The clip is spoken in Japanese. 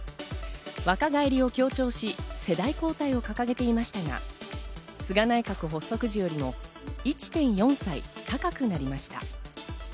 若返りを強調し、世代交代を掲げていましたが、菅内閣発足時よりも１．４歳高くなりました。